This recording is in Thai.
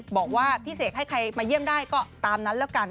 บอกว่าพี่เสกให้ใครมาเยี่ยมได้ก็ตามนั้นแล้วกัน